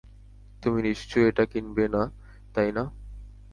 তুমি নিশ্চয়ই এটা কিনবে না, তাই না?